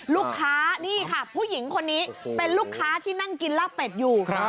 ลูกค้านี่ค่ะผู้หญิงคนนี้เป็นลูกค้าที่นั่งกินลาบเป็ดอยู่